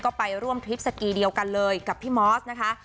ก็ไปร่วมทริปสกีเดียวกันเลยกับพี่มอสนะคะ